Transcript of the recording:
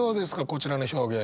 こちらの表現。